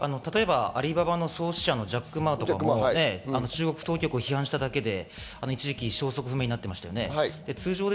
アリババの創始者ジャック・マーも当局を否定しただけで一時期、行方不明になっていました。